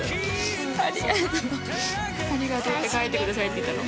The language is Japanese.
ありがとう「ありがとう」って書いてくださいって言ったの？